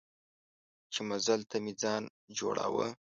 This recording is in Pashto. چې مزل ته مې ځان جوړاوه.